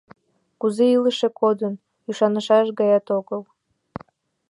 Кузе илыше кодын — ӱшанышаш гаят огыл.